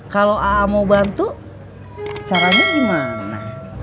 kalau aa mau bantu caranya gimana